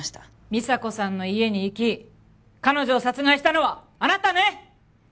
美沙子さんの家に行き彼女を殺害したのはあなたね！